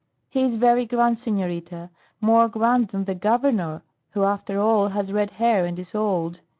"He is very grand, senorita; more grand than the Governor, who after all has red hair and is old.